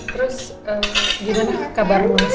terus gita nih kabar sama niel